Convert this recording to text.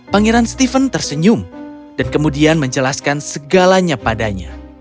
pangeran stephen tersenyum dan kemudian menjelaskan segalanya padanya